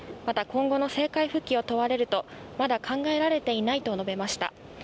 また、今後の政界復帰を問われると、まだ考えられていないと述べました。